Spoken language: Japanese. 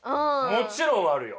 もちろんあるよ。